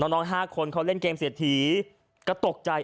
น้อง๕คนเขาเล่นเกมเศรษฐีก็ตกใจ